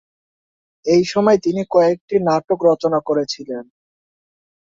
এই সময়ে তিনি কয়েকটি নাটক রচনা করেছিলেন।